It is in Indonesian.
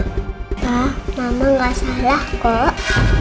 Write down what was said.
mbak mama gak salah kok